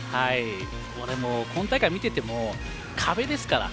今大会、見ていても壁ですから。